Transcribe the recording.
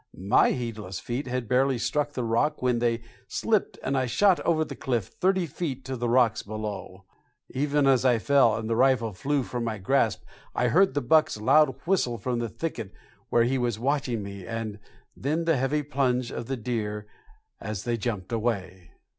My heedless feet had barely struck the rock when they slipped and I shot over the cliff, thirty feet to the rocks below. Even as I fell and the rifle flew from my grasp, I heard the buck's loud whistle from the thicket where he was watching me, and then the heavy plunge of the deer as they jumped away.